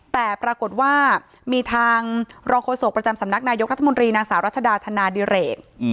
แต่ปรากฏว่ามีทางรองโฆษกประจำสำนักนายกรัฐมนตรีนางสาวรัชดาธนาดิเรก